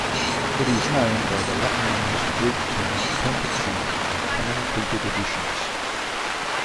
It is also known by the Latinised Greek term Pentateuch in common printed editions.